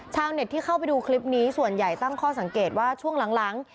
ชาวเน็ตที่เข้าไปดูคลิปนี้ส่วนใหญ่ตั้งข้อสังเกตว่าช่วงหลัง